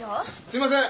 すみません